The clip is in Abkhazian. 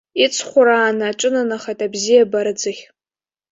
Иҵхәрааны аҿынанахеит, абзиабара аӡыхь.